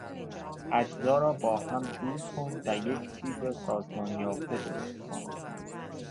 اجزا را با هم جور کن و یک چیز سازمان یافته درست کن.